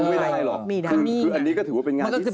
ไม่ได้หรอกคืออันนี้ก็ถือว่าเป็นงานที่สุด